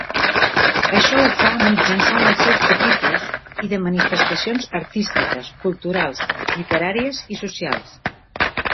Això ho fa mitjançant els seus capítols i de manifestacions artístiques, culturals, literàries i socials.